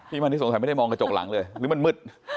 มาที่สงสัยไม่ได้มองกระจกหลังเลยหรือมันมืด